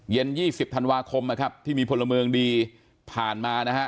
๒๐ธันวาคมนะครับที่มีพลเมืองดีผ่านมานะฮะ